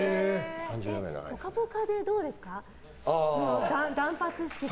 「ぽかぽか」でどうですか？